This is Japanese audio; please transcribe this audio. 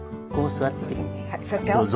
座っちゃおう。